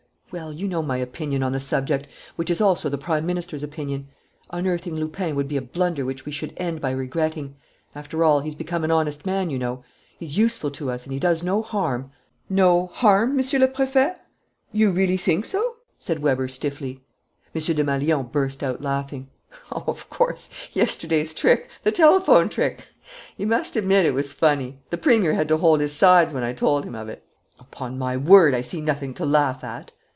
"Well, you know my opinion on the subject, which is also the Prime Minister's opinion. Unearthing Lupin would be a blunder which we should end by regretting. After all, he's become an honest man, you know; he's useful to us and he does no harm " "No harm, Monsieur le Préfet? Do you think so?" said Weber stiffly. M. Desmalions burst out laughing. "Oh, of course, yesterday's trick, the telephone trick! You must admit it was funny. The Premier had to hold his sides when I told him of it." "Upon my word, I see nothing to laugh at!"